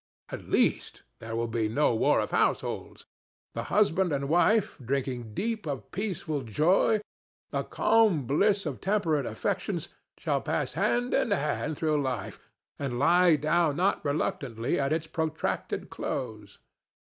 At least, there will be no war of households. The husband and wife, drinking deep of peaceful joy—a calm bliss of temperate affections—shall pass hand in hand through life and lie down not reluctantly at its protracted close.